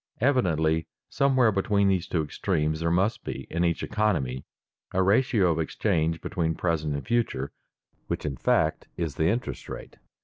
Evidently somewhere between these two extremes there must be, in each economy, a ratio of exchange between present and future, which in fact is the interest rate.